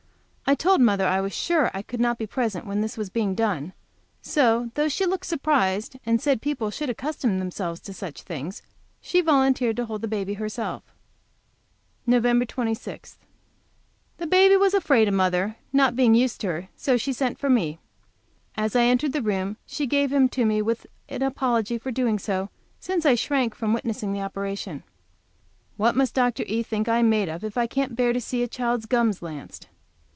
I told mother I was sure I could not be present when this was being done, so, though she looked surprised, and said people should accustom themselves to such things, she volunteered to hold baby herself. Nov. 26. The baby was afraid of mother, not being used to her, so she sent for me. As I entered the room she gave him to me with an apology for doing so, since I shrank from witnessing the operation. What must Dr. E. think I am made of if I can't bear to see a child's gums lanced?